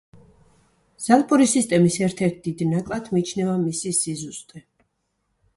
ზალპური სისტემის ერთ-ერთ დიდ ნაკლად მიიჩნევა მისი სიზუსტე.